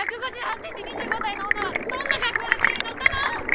１５８ｃｍ２５ 歳の女はどんな格好でこれに乗ったの！？